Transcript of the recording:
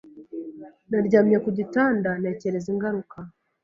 Naryamye ku gitanda ntekereza ingaruka